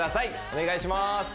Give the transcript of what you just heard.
お願いします